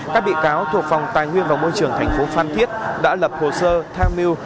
các bị cáo thuộc phòng tài nguyên và môi trường tp phan thiết đã lập hồ sơ tham mưu